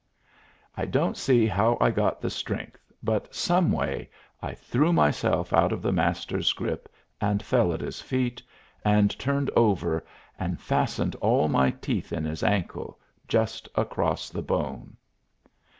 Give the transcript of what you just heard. I don't see how I got the strength, but, someway, I threw myself out of the Master's grip and fell at his feet, and turned over and fastened all my teeth in his ankle, just across the bone.